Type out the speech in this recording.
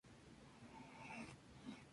De niño vivió en su localidad natal.